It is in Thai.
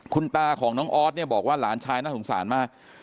คุณตาของน้องออสเนี่ยบอกว่าหลานชายน่าสงสารมาก